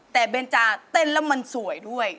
แต่เบนจาเต้นแล้วมันสวยด้วย